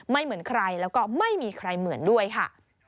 เหมือนใครแล้วก็ไม่มีใครเหมือนด้วยค่ะ